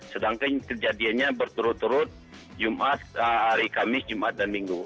sedangkan kejadiannya berturut turut jumat hari kamis jumat dan minggu